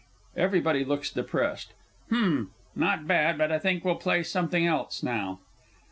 '" (Everybody looks depressed.) H'm not bad but I think we'll play something else now.